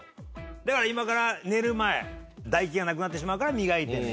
だから今から寝る前唾液がなくなってしまうからみがいて寝ようみたいな。